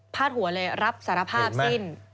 หัวเลยรับสารภาพสิ้น